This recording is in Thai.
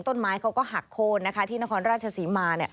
ต้นไม้เขาก็หักโค้นที่นครราชศรีมา